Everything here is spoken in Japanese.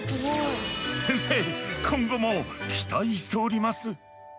先生今後も期待しております！